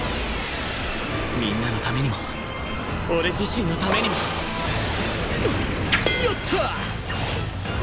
みんなのためにも俺自身のためにもよっと！